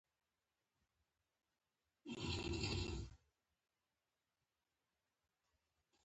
تر انقلاب وړاندې په فرانسه کې درې پېړۍ استبدادي نظام و.